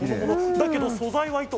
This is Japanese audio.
だけど素材は糸。